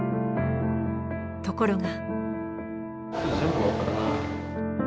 ところが。